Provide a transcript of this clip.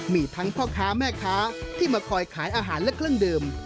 มีทั้งพ่อค้าแม่ค้าที่มาคอยขายอาหารและเครื่องดื่ม